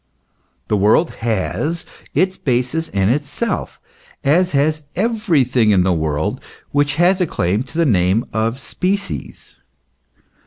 The world has its basis in itself, as has everything in the world winch has a claim to the name of species.